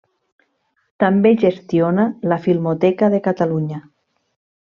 També gestiona la Filmoteca de Catalunya.